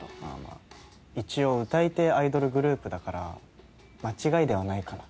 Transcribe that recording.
あ一応歌い手アイドルグループだから間違いではないかな。